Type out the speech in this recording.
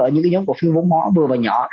những nhóm cổ phiếu vốn hóa vừa và nhỏ